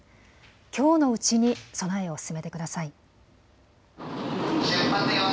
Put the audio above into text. きょうのうちに備えを進めてください。